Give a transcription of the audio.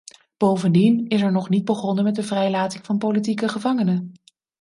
Bovendien is er nog niet begonnen met de vrijlating van politieke gevangenen.